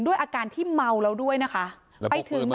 ด้วยอาการที่เมาแล้วด้วยนะคะ